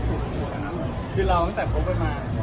อ๋อคำนี้คำนี้คือแบบ